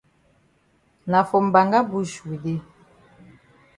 Na for mbanga bush we dey.